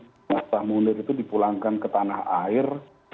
jenazah munir itu dipulangkan ke tanah air